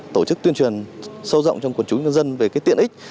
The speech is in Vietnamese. tổ chức tuyên truyền sâu rộng cho quần chúng dân về tiện ích